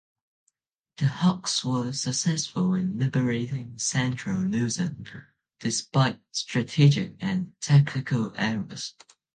The Huks were successful in liberating Central Luzon despite strategic and tactical errors.